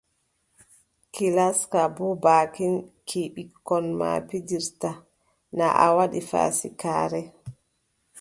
Ki laska boo baakin ki ɓikkon ma pijirta, na a waɗi faasikaare.